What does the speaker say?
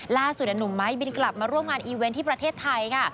หนุ่มไม้บินกลับมาร่วมงานอีเวนต์ที่ประเทศไทยค่ะ